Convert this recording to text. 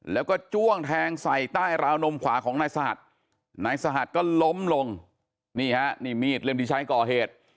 แล้วก็จ้วงแทงใส่ใต้ราวนมขวาของนายสหัสนายสหัสก็ล้มลงนี่ฮะนี่มีดเล่มที่ใช้ก่อเหตุ